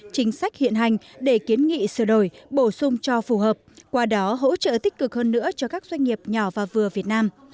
chính sách hiện hành để kiến nghị sửa đổi bổ sung cho phù hợp qua đó hỗ trợ tích cực hơn nữa cho các doanh nghiệp nhỏ và vừa việt nam